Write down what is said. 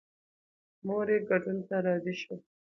مور یې ګډون ته راضي شوه.